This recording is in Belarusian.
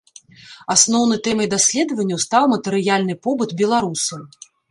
Асноўнай тэмай даследаванняў стаў матэрыяльны побыт беларусаў.